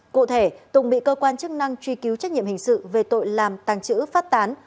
cụ thể tùng bị cơ quan chức năng truy cứu trách nhiệm hình sự về tội làm tàng trữ phát tán